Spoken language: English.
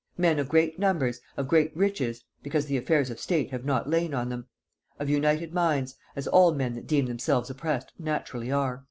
Men of great numbers, of great riches (because the affairs of state have not lain on them), of united minds, as all men that deem themselves oppressed naturally are."